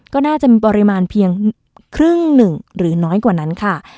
ก็น่าจะมีปริมาณเพียงครึ่งหนึ่งหรือน้อยกว่านั้นค่ะ